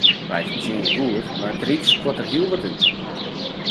Wy fertsjinje goed, mar it ryk skuort der hiel wat út.